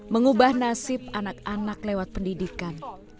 mengubah nasib anak anak lewat pendidikan